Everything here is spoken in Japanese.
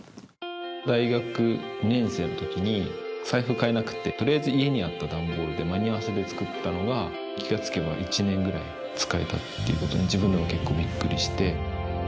大学２年生の時に財布買えなくって取りあえず家にあった段ボールで間に合わせで作ったのが気が付けば１年ぐらい使えたっていうことに自分でも結構びっくりして。